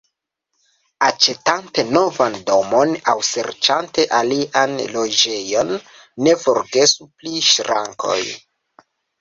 Aĉetante novan domon aŭ serĉante alian loĝejon, ne forgesu pri ŝrankoj.